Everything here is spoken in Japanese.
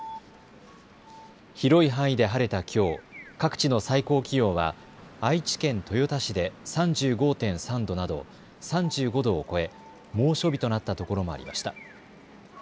広い範囲で晴れたきょう各地の最高気温は愛知県豊田市で３５．３度など、３５度を超え猛暑日となったところもありました。